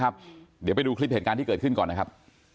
อะไรอย่างเงี้ยนะครับเดี๋ยวไปดูคลิปเหตุการณ์ที่เกิดขึ้นก่อนนะครับ